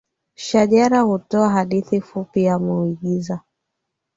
shajara hutoa hadithi fupi ya muigiza